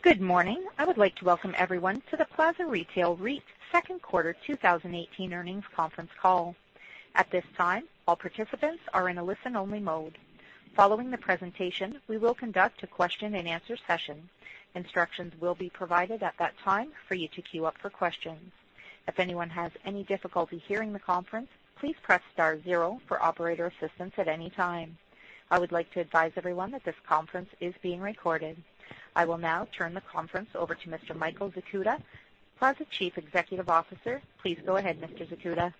Good morning. I would like to welcome everyone to the Plaza Retail REIT Second Quarter 2018 Earnings Conference Call. At this time, all participants are in a listen-only mode. Following the presentation, we will conduct a question and answer session. Instructions will be provided at that time for you to queue up for questions. If anyone has any difficulty hearing the conference, please press star zero for operator assistance at any time. I would like to advise everyone that this conference is being recorded. I will now turn the conference over to Mr. Michael Zakuta, Plaza Chief Executive Officer. Please go ahead, Mr. Zakuta.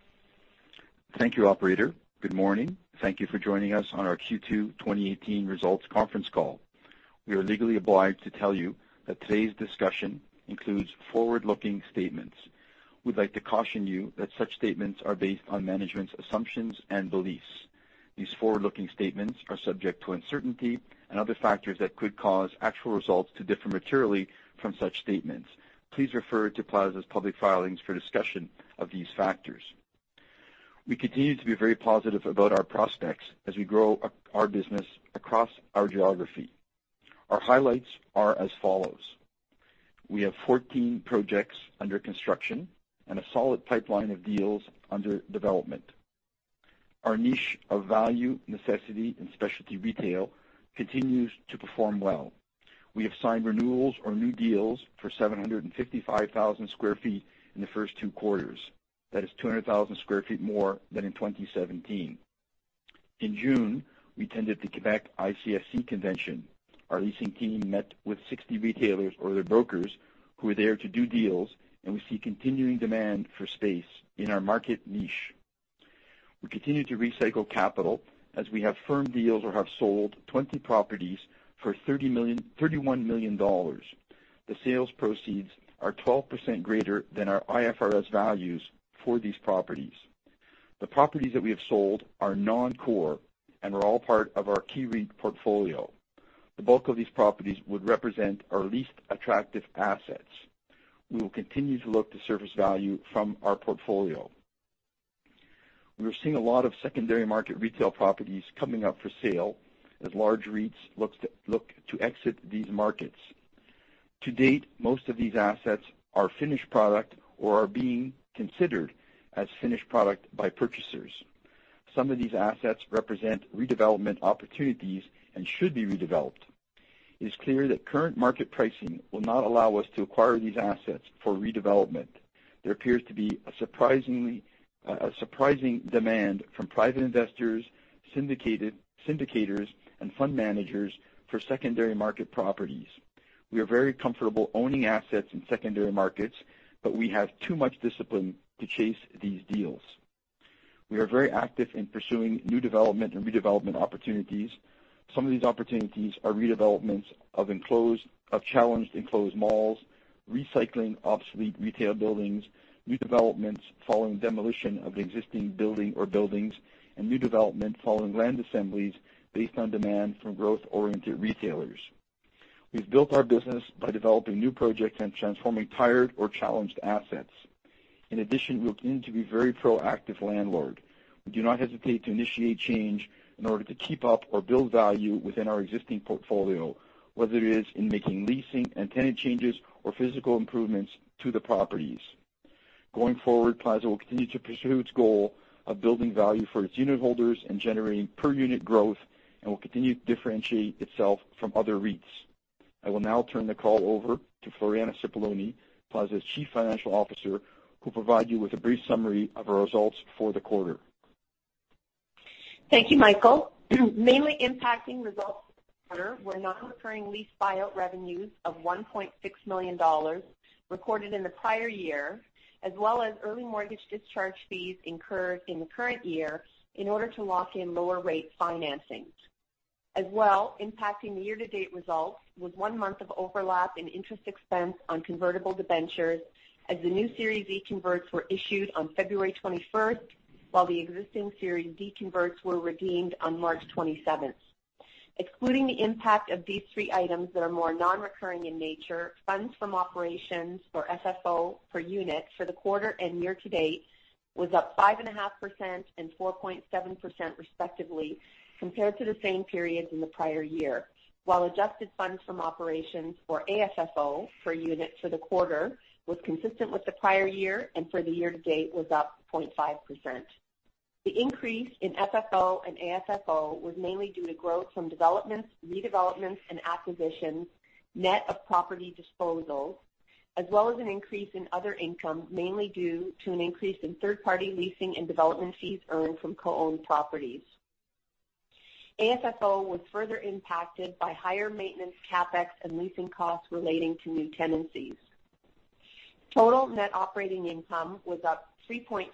Thank you, operator. Good morning. Thank you for joining us on our Q2 2018 results conference call. We are legally obliged to tell you that today's discussion includes forward-looking statements. We'd like to caution you that such statements are based on management's assumptions and beliefs. These forward-looking statements are subject to uncertainty and other factors that could cause actual results to differ materially from such statements. Please refer to Plaza's public filings for discussion of these factors. We continue to be very positive about our prospects as we grow our business across our geography. Our highlights are as follows. We have 14 projects under construction and a solid pipeline of deals under development. Our niche of value, necessity, and specialty retail continues to perform well. We have signed renewals or new deals for 755,000 square feet in the first two quarters. That is 200,000 square feet more than in 2017. In June, we attended the Quebec ICSC Convention. Our leasing team met with 60 retailers or their brokers who are there to do deals, we see continuing demand for space in our market niche. We continue to recycle capital as we have firm deals or have sold 20 properties for 31 million dollars. The sales proceeds are 12% greater than our IFRS values for these properties. The properties that we have sold are non-core and were all part of our KEYreit portfolio. The bulk of these properties would represent our least attractive assets. We will continue to look to surface value from our portfolio. We are seeing a lot of secondary market retail properties coming up for sale as large REITs look to exit these markets. To date, most of these assets are finished product or are being considered as finished product by purchasers. Some of these assets represent redevelopment opportunities and should be redeveloped. It is clear that current market pricing will not allow us to acquire these assets for redevelopment. There appears to be a surprising demand from private investors, syndicators, and fund managers for secondary market properties. We are very comfortable owning assets in secondary markets, we have too much discipline to chase these deals. We are very active in pursuing new development and redevelopment opportunities. Some of these opportunities are redevelopments of challenged enclosed malls, recycling obsolete retail buildings, new developments following demolition of the existing building or buildings, and new development following land assemblies based on demand from growth-oriented retailers. We've built our business by developing new projects and transforming tired or challenged assets. We continue to be very proactive landlord. We do not hesitate to initiate change in order to keep up or build value within our existing portfolio, whether it is in making leasing and tenant changes or physical improvements to the properties. Going forward, Plaza will continue to pursue its goal of building value for its unit holders and generating per-unit growth and will continue to differentiate itself from other REITs. I will now turn the call over to Floriana Cipollone, Plaza's Chief Financial Officer, who will provide you with a brief summary of our results for the quarter. Thank you, Michael. Mainly impacting results for the quarter were non-recurring lease buyout revenues of 1.6 million dollars recorded in the prior year, as well as early mortgage discharge fees incurred in the current year in order to lock in lower rate financing. Impacting the year-to-date results was one month of overlap in interest expense on convertible debentures as the new Series D converts were issued on February 21st, while the existing Series D converts were redeemed on March 27th. Excluding the impact of these three items that are more non-recurring in nature, funds from operations, or FFO, per-unit for the quarter and year-to-date was up 5.5% and 4.7%, respectively, compared to the same periods in the prior year. While adjusted funds from operations, or AFFO, per-unit for the quarter was consistent with the prior year and for the year-to-date was up 0.5%. The increase in FFO and AFFO was mainly due to growth from developments, redevelopments, and acquisitions, net of property disposals, as well as an increase in other income, mainly due to an increase in third-party leasing and development fees earned from co-owned properties. AFFO was further impacted by higher maintenance, CapEx, and leasing costs relating to new tenancies. Total net operating income was up 3.4%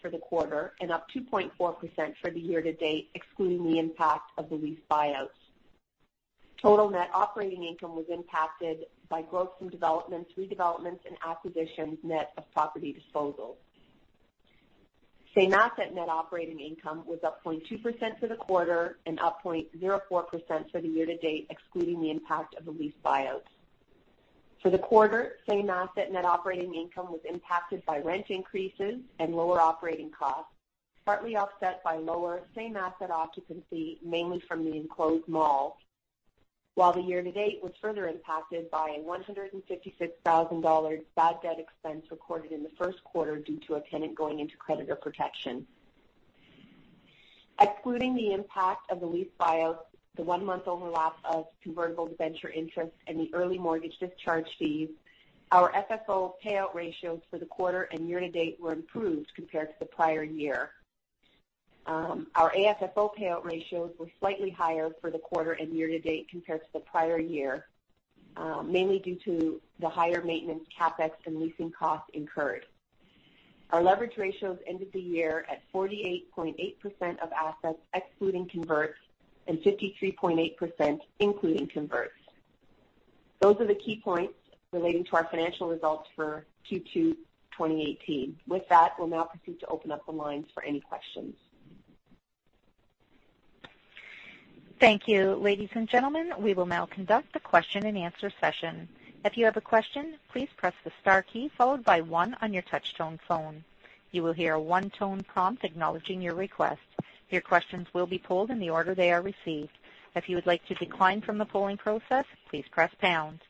for the quarter and up 2.4% for the year-to-date, excluding the impact of the lease buyouts. Total net operating income was impacted by growth from developments, redevelopments, and acquisitions, net of property disposals. Same asset net operating income was up 0.2% for the quarter and up 0.04% for the year-to-date, excluding the impact of the lease buyouts. For the quarter, same asset net operating income was impacted by rent increases and lower operating costs, partly offset by lower same asset occupancy, mainly from the enclosed malls, while the year-to-date was further impacted by a 156,000 dollars bad debt expense recorded in the first quarter due to a tenant going into creditor protection. Excluding the impact of the lease buyouts, the one-month overlap of convertible debenture interest, and the early mortgage discharge fees, our FFO payout ratios for the quarter and year-to-date were improved compared to the prior year. Our AFFO payout ratios were slightly higher for the quarter and year-to-date compared to the prior year, mainly due to the higher maintenance, CapEx, and leasing costs incurred. Our leverage ratios ended the year at 48.8% of assets excluding converts and 53.8% including converts. Those are the key points relating to our financial results for Q2 2018. With that, we will now proceed to open up the lines for any questions. Thank you. Ladies and gentlemen, we will now conduct the question and answer session. If you have a question, please press the star key followed by one on your touchtone phone. You will hear a one-tone prompt acknowledging your request. Your questions will be polled in the order they are received. If you would like to decline from the polling process, please press pound.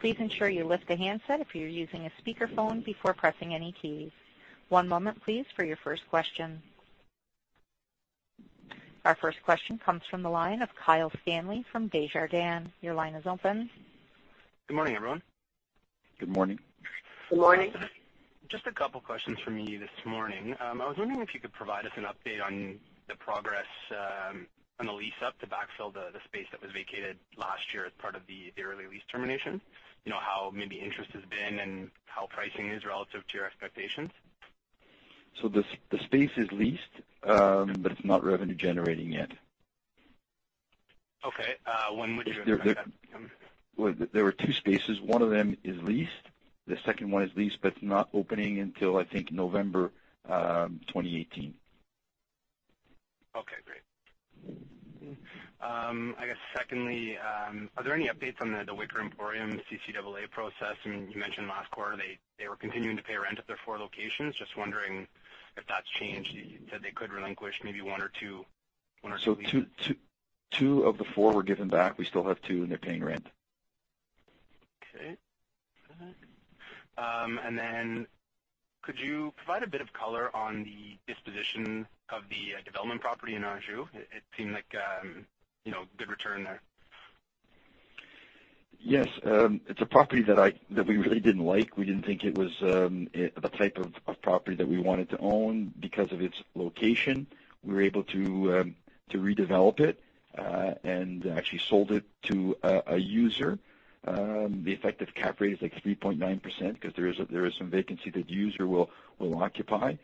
Please ensure you lift the handset if you are using a speakerphone before pressing any keys. One moment please for your first question. Our first question comes from the line of Kyle Stanley from Desjardins. Your line is open. Good morning, everyone. Good morning. Good morning. Just a couple questions from me this morning. I was wondering if you could provide us an update on the progress on the lease-up to backfill the space that was vacated last year as part of the early lease termination. How maybe interest has been and how pricing is relative to your expectations. The space is leased, but it is not revenue generating yet. Okay. When would you expect that to come? There were two spaces. One of them is leased. The second one is leased but not opening until, I think, November 2018. Great. I guess secondly, are there any updates on the Wicker Emporium CCAA process? You mentioned last quarter they were continuing to pay rent at their four locations. Just wondering if that's changed, that they could relinquish maybe one or two leases. Two of the four were given back. We still have two, and they're paying rent. Could you provide a bit of color on the disposition of the development property in Anjou? It seemed like a good return there. Yes. It's a property that we really didn't like. We didn't think it was the type of property that we wanted to own because of its location. We were able to redevelop it, actually sold it to a user. The effective cap rate is like 3.9% because there is some vacancy that the user will occupy.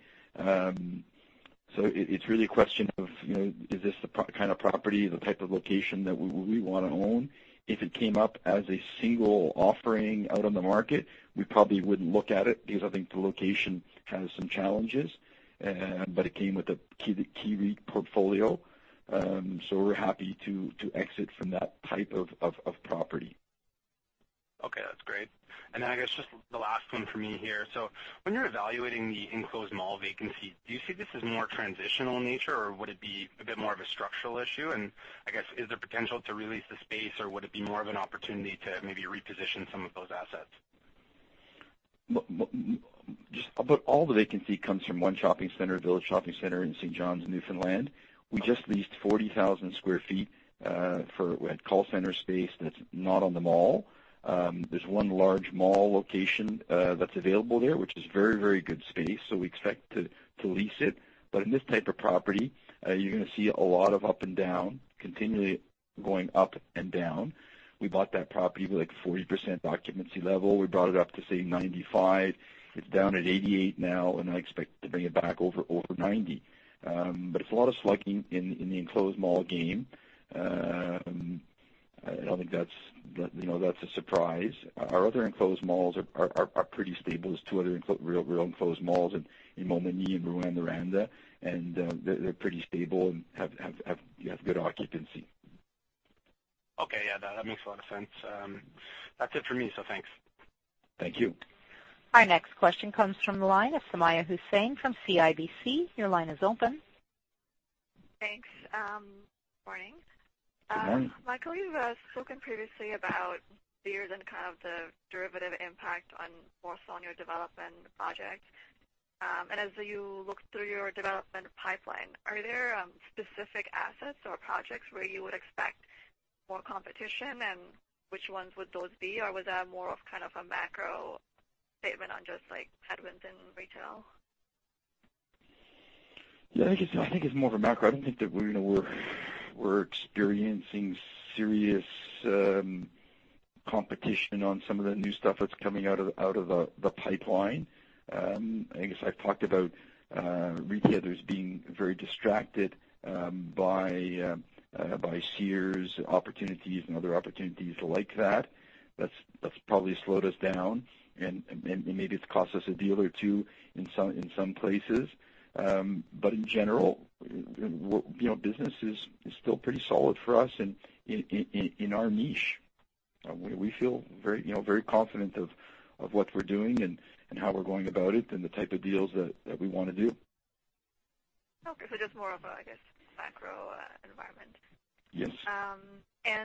It's really a question of, is this the kind of property, the type of location that we want to own? If it came up as a single offering out on the market, we probably wouldn't look at it because I think the location has some challenges. It came with a KEYreit portfolio. We're happy to exit from that type of property. Okay, that's great. I guess just the last one for me here. When you're evaluating the enclosed mall vacancy, do you see this as more transitional in nature, or would it be a bit more of a structural issue? I guess, is there potential to re-lease the space, or would it be more of an opportunity to maybe reposition some of those assets? Just about all the vacancy comes from one shopping center, Village Shopping Centre in St. John's, Newfoundland. We just leased 40,000 sq ft, for call center space that's not on the mall. There's one large mall location that's available there, which is very good space, so we expect to lease it. In this type of property, you're going to see a lot of up and down, continually going up and down. We bought that property with a 40% occupancy level. We brought it up to, say, 95%. It's down at 88% now, and I expect to bring it back over 90%. It's a lot of slugging in the enclosed mall game. I don't think that's a surprise. Our other enclosed malls are pretty stable. Those two other real enclosed malls in Montmagny and Rouyn-Noranda, they're pretty stable and have good occupancy. Okay. Yeah, that makes a lot of sense. That's it for me, thanks. Thank you. Our next question comes from the line of Sumayya Hussain from CIBC. Your line is open. Thanks. Morning. Good morning. Michael, you've spoken previously about the Sears and kind of the derivative impact on more so on your development projects. As you look through your development pipeline, are there specific assets or projects where you would expect more competition, and which ones would those be? Or was that more of a macro statement on just dynamics in retail? Yeah, I think it's more of a macro. I don't think that we're experiencing serious competition on some of the new stuff that's coming out of the pipeline. I guess I've talked about retailers being very distracted by Sears opportunities and other opportunities like that. That's probably slowed us down, and maybe it's cost us a deal or two in some places. In general, business is still pretty solid for us in our niche. We feel very confident of what we're doing, and how we're going about it, and the type of deals that we want to do. Okay. Just more of a, I guess, macro environment. Yes.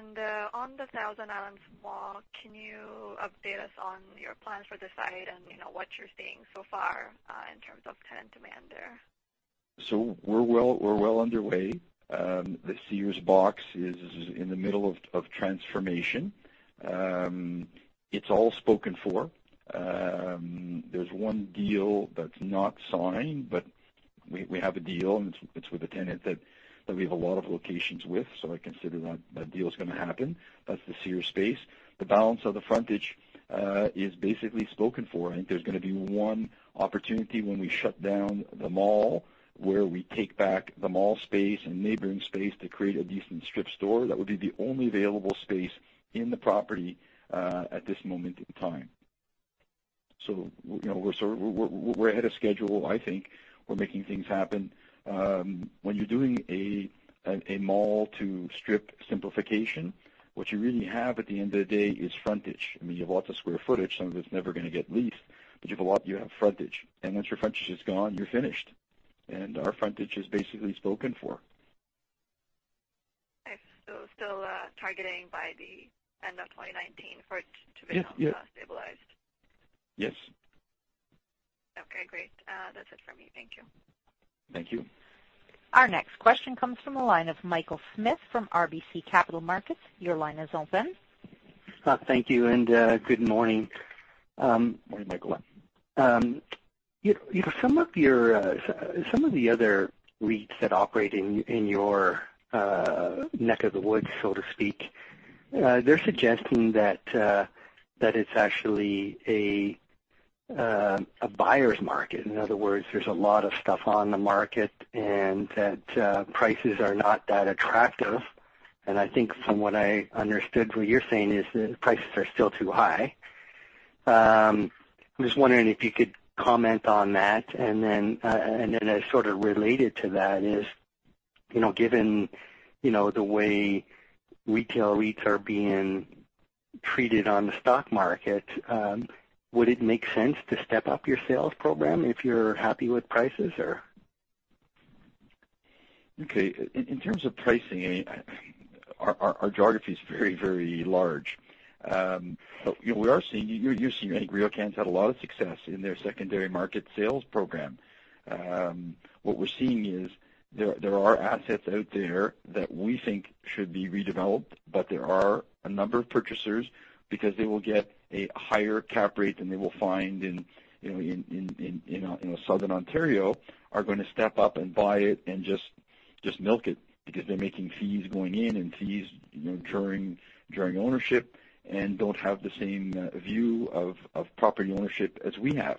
On the 1000 Islands Mall, can you update us on your plans for the site and what you're seeing so far in terms of tenant demand there? We're well underway. The Sears box is in the middle of transformation. It's all spoken for. There's one deal that's not signed. We have a deal, and it's with a tenant that we have a lot of locations with. I consider that deal's going to happen. That's the Sears space. The balance of the frontage is basically spoken for. I think there's going to be one opportunity when we shut down the mall, where we take back the mall space and neighboring space to create a decent strip store. That would be the only available space in the property at this moment in time. We're ahead of schedule, I think. We're making things happen. When you're doing a mall-to-strip simplification, what you really have at the end of the day is frontage. I mean, you have lots of square footage, some of it's never going to get leased. You have a lot, you have frontage. Once your frontage is gone, you're finished. Our frontage is basically spoken for. Still targeting by the end of 2019 for it to be- Yes stabilized. Yes. Okay, great. That's it for me. Thank you. Thank you. Our next question comes from the line of Michael Smith from RBC Capital Markets. Your line is open. Thank you, and good morning. Morning, Michael. Some of the other REITs that operate in your neck of the woods, so to speak, they're suggesting that it's actually a buyer's market. In other words, there's a lot of stuff on the market and that prices are not that attractive. I think from what I understood, what you're saying is that prices are still too high. I'm just wondering if you could comment on that. Then as sort of related to that is, given the way retail REITs are being treated on the stock market, would it make sense to step up your sales program if you're happy with prices or? Okay. In terms of pricing, our geography is very large. We are seeing, you're seeing, I think RioCan's had a lot of success in their secondary market sales program. What we're seeing is there are assets out there that we think should be redeveloped, but there are a number of purchasers because they will get a higher cap rate than they will find in Southern Ontario, are going to step up and buy it and just milk it because they're making fees going in and fees during ownership and don't have the same view of property ownership as we have.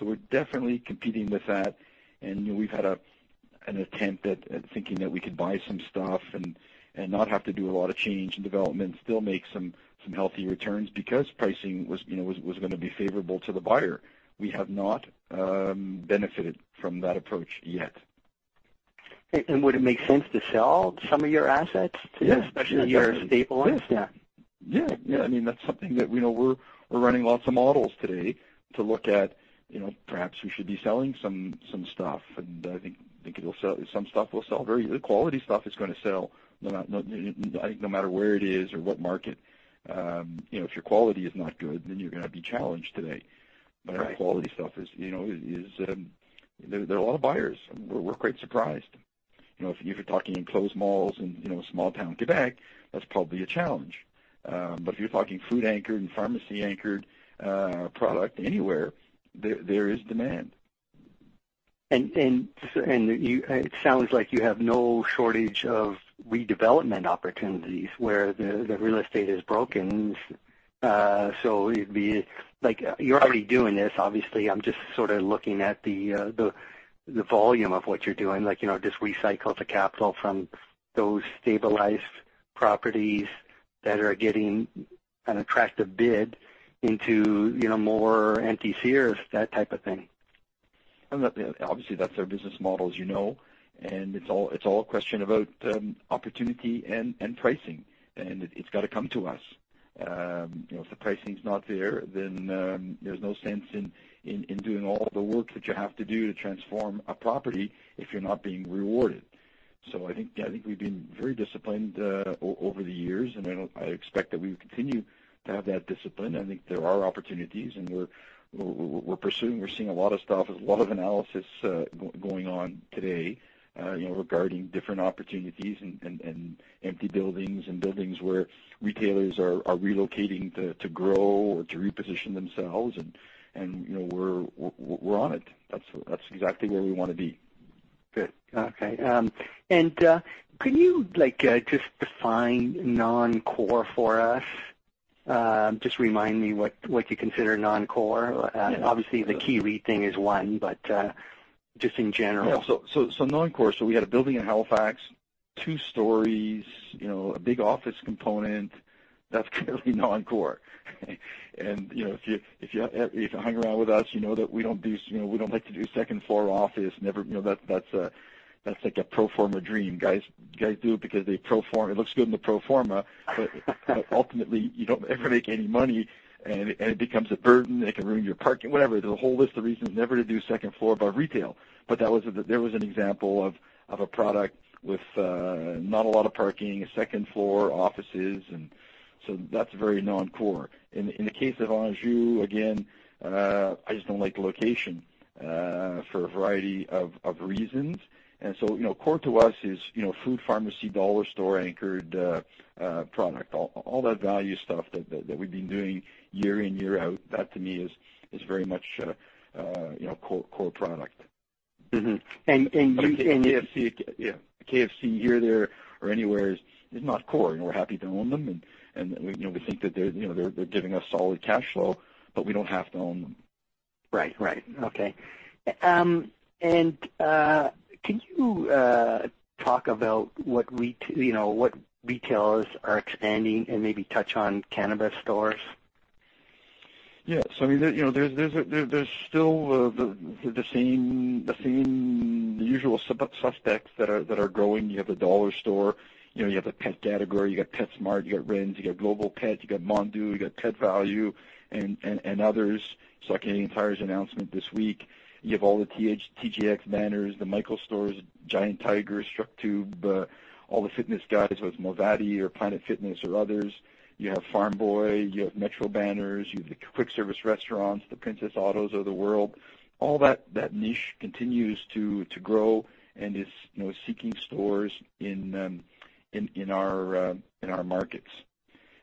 We're definitely competing with that, and we've had an attempt at thinking that we could buy some stuff and not have to do a lot of change and development, still make some healthy returns because pricing was going to be favorable to the buyer. We have not benefited from that approach yet. Would it make sense to sell some of your assets too? Yes. Especially your staple ones? Yes. Yeah. Yeah. That's something that we're running lots of models today to look at perhaps we should be selling some stuff. I think some stuff will sell. The quality stuff is going to sell, I think no matter where it is or what market. If your quality is not good, you're going to be challenged today. Right. There are a lot of buyers. We're quite surprised. If you're talking enclosed malls in small town Québec, that's probably a challenge. If you're talking food-anchored and pharmacy-anchored product anywhere, there is demand. It sounds like you have no shortage of redevelopment opportunities where the real estate is broken. It'd be like you're already doing this, obviously. I'm just sort of looking at the volume of what you're doing, like just recycle the capital from those stabilized properties that are getting an attractive bid into more empty Sears, that type of thing. Obviously, that's our business model, as you know, and it's all a question about opportunity and pricing. It's got to come to us. If the pricing's not there, then there's no sense in doing all the work that you have to do to transform a property if you're not being rewarded. I think we've been very disciplined over the years, and I expect that we will continue to have that discipline. I think there are opportunities, we're pursuing, we're seeing a lot of stuff. There's a lot of analysis going on today regarding different opportunities in empty buildings and buildings where retailers are relocating to grow or to reposition themselves, and we're on it. That's exactly where we want to be. Good. Okay. Could you just define non-core for us? Just remind me what you consider non-core. Yeah. Obviously, the KEYreit thing is one, just in general. Non-core. We had a building in Halifax, two stories, a big office component. That's clearly non-core. If you hang around with us, you know that we don't like to do second-floor office. That's like a pro forma dream, guys. Guys do it because it looks good in the pro forma, but ultimately, you don't ever make any money, and it becomes a burden. It can ruin your parking, whatever. There's a whole list of reasons never to do second floor above retail. There was an example of a product with not a lot of parking, second-floor offices, and so that's very non-core. In the case of Anjou, again, I just don't like the location for a variety of reasons. Core to us is food, pharmacy, dollar store anchored product. All that value stuff that we've been doing year in, year out, that to me is very much core product. Mm-hmm. A KFC here, there, or anywhere is not core. We're happy to own them, and we think that they're giving us solid cash flow, but we don't have to own them. Right. Okay. Can you talk about what retailers are expanding and maybe touch on cannabis stores? Yes. There's still the usual suspects that are growing. You have the dollar store, you have the pet category, you got PetSmart, you got Ren's, you got Global Pet, you got Mondou, you got Pet Valu, and others, like the entire announcement this week. You have all the TJX banners, the Michaels stores, Giant Tiger, Structube, all the fitness guys, whether it's Movati or Planet Fitness or others. You have Farm Boy, you have Metro banners, you have the quick-service restaurants, the Princess Autos of the world. All that niche continues to grow and is seeking stores in our markets.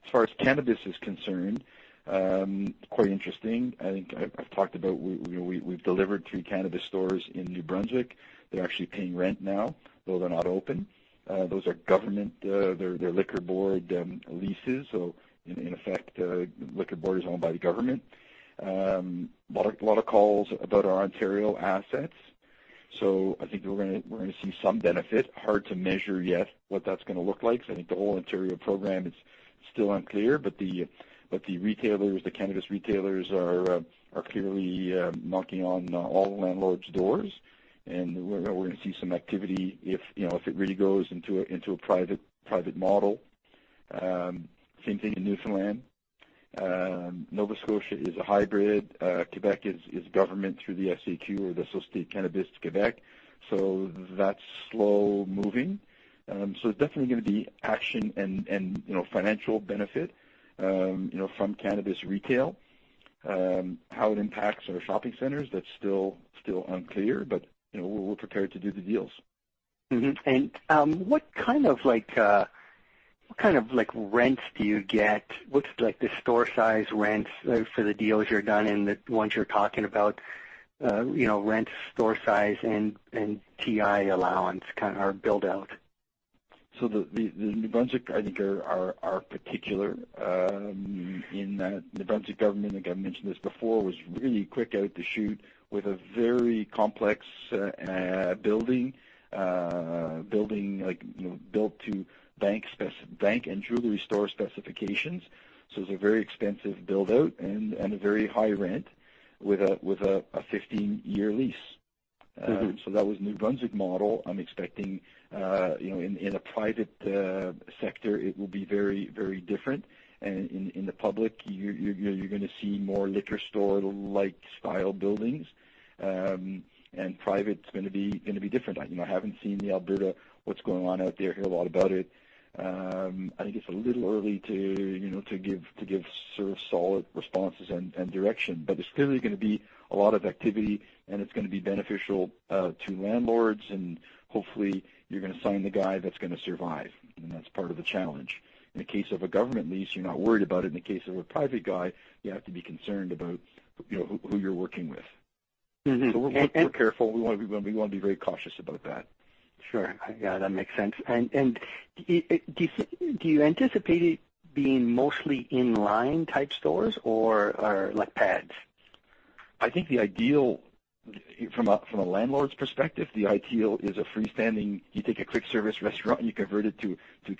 As far as cannabis is concerned, quite interesting. I think I've talked about, we've delivered three cannabis stores in New Brunswick. They're actually paying rent now, though they're not open. Those are government, they're Liquor Board leases, so in effect, the Liquor Board is owned by the government. A lot of calls about our Ontario assets. I think we're going to see some benefit. Hard to measure yet what that's going to look like, because I think the whole Ontario program is still unclear. The cannabis retailers are clearly knocking on all the landlords' doors, and we're going to see some activity if it really goes into a private model. Same thing in Newfoundland. Nova Scotia is a hybrid. Quebec is government through the SAQ, or the Société québécoise du cannabis. That's slow moving. There's definitely going to be action and financial benefit from cannabis retail. How it impacts our shopping centers, that's still unclear. We're prepared to do the deals. What kind of rents do you get? What's the store size rents for the deals you've done and the ones you're talking about? Rent, store size, and TI allowance, or build out. The New Brunswick, I think, are particular in that New Brunswick government, I think I've mentioned this before, was really quick out of the chute with a very complex building, built to bank and jewelry store specifications. It's a very expensive build out and a very high rent with a 15-year lease. That was New Brunswick model. I'm expecting, in the private sector, it will be very different. In the public, you're going to see more Liquor Board-like style buildings. Private's going to be different. I haven't seen the Alberta, what's going on out there, hear a lot about it. I think it's a little early to give sort of solid responses and direction. There's clearly going to be a lot of activity, and it's going to be beneficial to landlords, and hopefully you're going to sign the guy that's going to survive, and that's part of the challenge. In the case of a government lease, you're not worried about it. In the case of a private guy, you have to be concerned about who you're working with. We're careful. We want to be very cautious about that. Sure. Yeah, that makes sense. Do you anticipate it being mostly in-line type stores or like pads? I think from a landlord's perspective, the ideal is a freestanding. You take a quick-service restaurant, and you convert it to a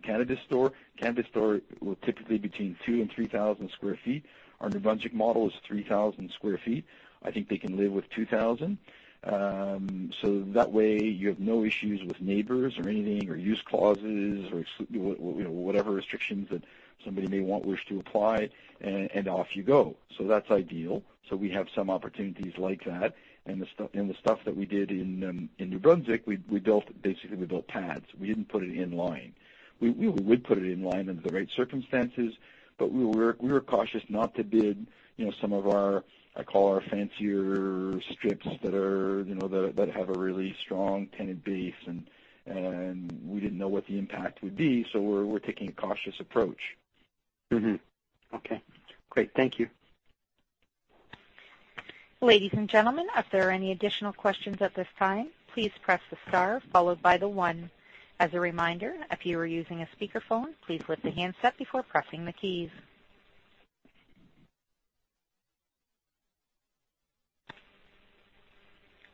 cannabis store. Cannabis store, typically between 2,000 and 3,000 sq ft. Our New Brunswick model is 3,000 sq ft. I think they can live with 2,000. That way you have no issues with neighbors or anything, or use clauses, or whatever restrictions that somebody may wish to apply, and off you go. That's ideal. We have some opportunities like that. The stuff that we did in New Brunswick, basically, we built pads. We didn't put it in-line. We would put it in-line under the right circumstances, but we were cautious not to bid some of our, I call our fancier strips that have a really strong tenant base, and we didn't know what the impact would be. We're taking a cautious approach. Okay, great. Thank you. Ladies and gentlemen, if there are any additional questions at this time, please press the star followed by the one. As a reminder, if you are using a speakerphone, please lift the handset before pressing the keys.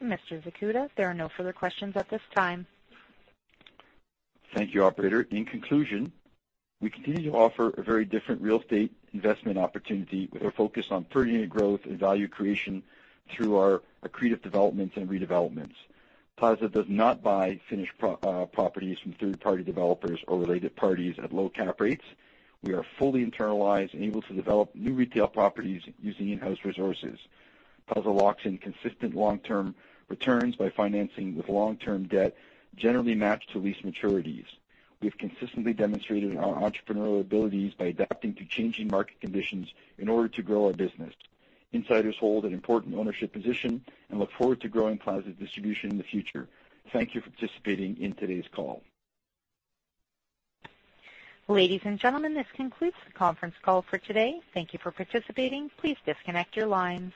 Mr. Zakuta, there are no further questions at this time. Thank you, operator. In conclusion, we continue to offer a very different real estate investment opportunity with a focus on per-unit growth and value creation through our accretive developments and redevelopments. Plaza does not buy finished properties from third-party developers or related parties at low cap rates. We are fully internalized and able to develop new retail properties using in-house resources. Plaza locks in consistent long-term returns by financing with long-term debt, generally matched to lease maturities. We've consistently demonstrated our entrepreneurial abilities by adapting to changing market conditions in order to grow our business. Insiders hold an important ownership position and look forward to growing Plaza's distribution in the future. Thank you for participating in today's call. Ladies and gentlemen, this concludes the conference call for today. Thank you for participating. Please disconnect your lines.